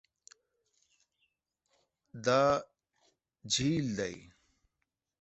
دا جهیل دی